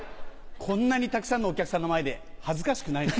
こんなにたくさんのお客さんの前で恥ずかしくないの？